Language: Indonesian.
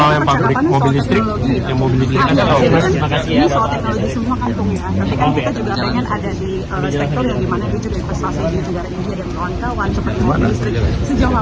tapi kan kita juga pengen ada di stector yang dimana dia juga investasi di negara india dan kota wan